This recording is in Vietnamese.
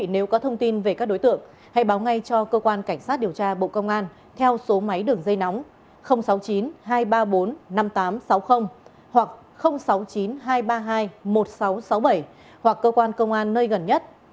nếu có thông tin về các đối tượng hãy báo ngay cho cơ quan cảnh sát điều tra bộ công an theo số máy đường dây nóng sáu mươi chín hai trăm ba mươi bốn năm nghìn tám trăm sáu mươi hoặc sáu mươi chín hai trăm ba mươi hai một nghìn sáu trăm sáu mươi bảy hoặc cơ quan công an nơi gần nhất